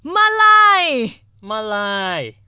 มาลาย